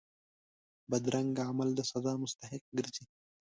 بدرنګه عمل د سزا مستحق ګرځي